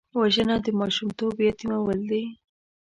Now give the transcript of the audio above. وژنه د ماشومتوب یتیمول دي